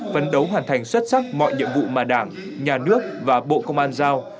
phấn đấu hoàn thành xuất sắc mọi nhiệm vụ mà đảng nhà nước và bộ công an giao